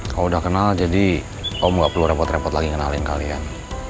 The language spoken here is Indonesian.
kalau udah kenal jadi kau gak perlu repot repot lagi kenalin kalian